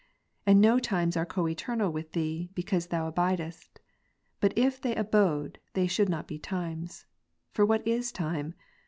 And no times are coeternal with Thee, because Thou abidest; but if they abode, they should not be times. For what is time?